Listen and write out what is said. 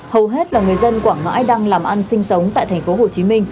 hầu hết là người dân quảng ngãi đang làm ăn sinh sống tại tp hcm